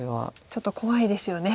ちょっと怖いですよね。